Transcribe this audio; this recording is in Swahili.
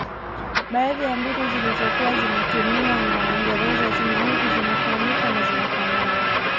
Baadhi ya mbinu zilizokuwa zinatumiwa na waingereza zinaudhi zinafahamika na zinafanana